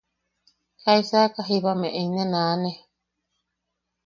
¿Jaisaka jiiba em inen aane?